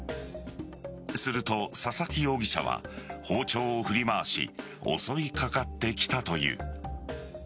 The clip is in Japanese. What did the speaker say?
すると佐々木容疑者は包丁を振り回し襲いかかってきたという。